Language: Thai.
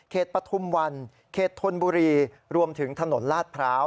ปฐุมวันเขตธนบุรีรวมถึงถนนลาดพร้าว